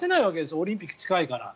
オリンピックが近いから。